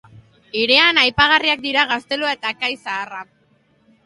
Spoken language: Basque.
Hirian aipagarriak dira gaztelua eta kai zaharra.